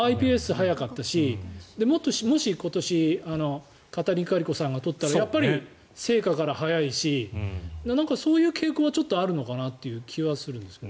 ｉＰＳ早かったしもし今年カタリン・カリコさんが取ったらやっぱり成果から早いしそういう傾向はちょっとあるのかなっていう気はするんですが。